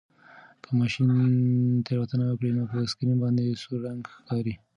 که ماشین تېروتنه وکړي نو په سکرین باندې سور رنګ ښکاري.